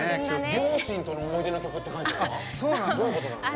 両親との思い出の曲って書いてある。